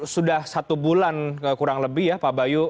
sudah satu bulan kurang lebih ya pak bayu